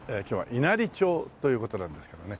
稲荷町という事なんですけどもね。